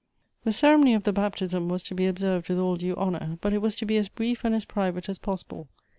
The ceremony of the baptism was to be observed with all due honor, but it was to be as brief and as pri\ ate as possible.